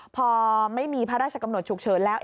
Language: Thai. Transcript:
พอไม่มีพระราชกำหนดฉุกเฉินแล้ว